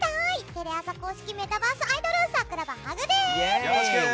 テレ朝公式メタバースアイドル桜葉ハグです！